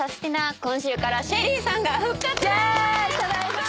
今週からＳＨＥＬＬＹさんが復活です。